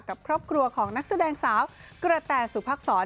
กับครอบครัวของนักแสดงสาวกระแต่สุพักษร